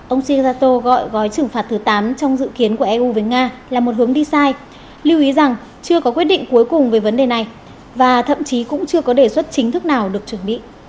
ông shinato gọi gói trừng phạt thứ tám trong dự kiến của eu với nga là một hướng đi sai lưu ý rằng chưa có quyết định cuối cùng về vấn đề này và thậm chí cũng chưa có đề xuất chính thức nào được chuẩn bị